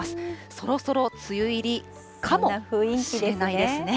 そろそろ梅雨入りかもしれないですね。